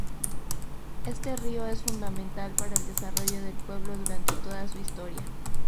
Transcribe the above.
Este río es fundamental para el desarrollo del pueblo durante toda su historia.